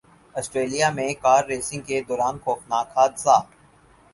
Australia میں car racing کے دوران خوفناک حادثہ